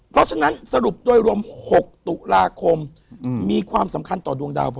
เพราะฉะนั้นสรุปโดยรวม๖ตุลาคมมีความสำคัญต่อดวงดาว